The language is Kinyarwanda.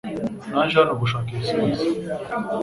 Naje hano gushaka ibisubizo .